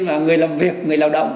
và người làm việc người lao động